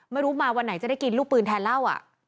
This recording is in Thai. ไม่รู้มาวันไหนจะได้กินลูกปืนแทนเหล้า